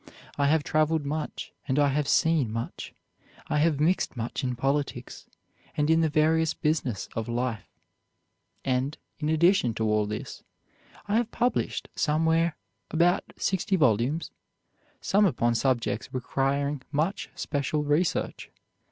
I have traveled much and I have seen much; I have mixed much in politics, and in the various business of life; and in addition to all this, I have published somewhere about sixty volumes, some upon subjects requiring much special research.